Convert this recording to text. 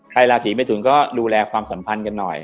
ราศีเมทุนก็ดูแลความสัมพันธ์กันหน่อย